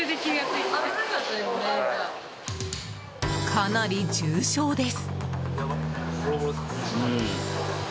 かなり重傷です。